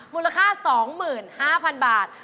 มูลค่า๒๕๐๐๐บาท